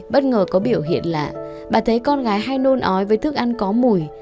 bất ngờ có biểu hiện lạ bà thấy con gái hay nôn ói với thức ăn có mùi